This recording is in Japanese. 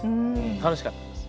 楽しかったです。